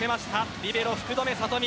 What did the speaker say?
リベロ福留慧美。